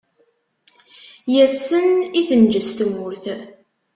Yes-sen i tenǧes tmurt.